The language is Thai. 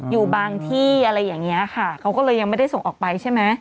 อยู่บางที่อะไรอย่างเงี้ยค่ะเขาก็เลยยังไม่ได้ส่งออกไปใช่ไหม